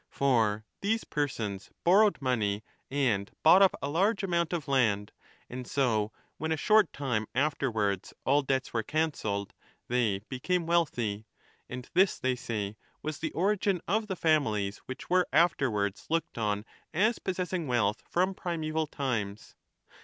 For these persons borrowed money and bought up a large amount of land, and so, when, a short time afterwards, all debts were cancelled, they became wealthy ; and this, they say, was the origin of the families which were afterwards looked on as possessing wealth from primeval times.